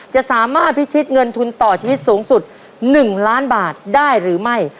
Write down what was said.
จะสามารถพิชิตเงินทุนต่อชีวิตสูงสุด๑ล้านบาทได้หรือไม่